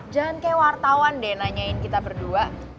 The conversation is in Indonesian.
jangan kayak wartawan deh nanyain kita berdua